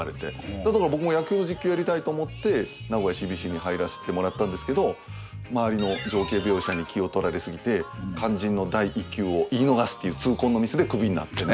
だから僕も野球の実況やりたいと思って名古屋ＣＢＣに入らせてもらったんですけど周りの情景描写に気を取られすぎて肝心の第１球を言い逃すっていう痛恨のミスでクビになってね。